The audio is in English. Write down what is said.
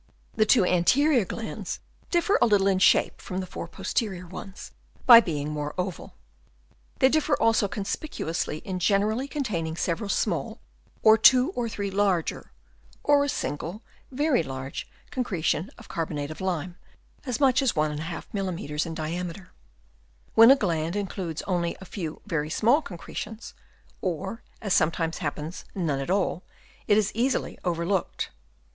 The two anterior glands differ a little in shape from the four posterior ones, by being more oval. They differ also conspicuously in generally containing several small, or two or three larger, or a single very large con ere Chap. I. CALCIFEKOUS GLANDS. 47 tion of carbonate of lime, as much as 1^ mm. in diameter. When a gland includes only a few very small concretions, or, as sometimes happens, none at all, it is easily overlooked.